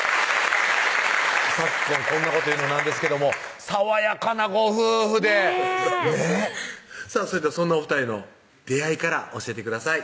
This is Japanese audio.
昨今こんなこと言うのなんですけども爽やかなご夫婦でねぇそれではそんなお２人の出会いから教えてください